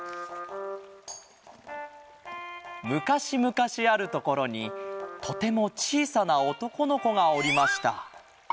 むかしむかしあるところにとてもちいさなおとこのこがおりました。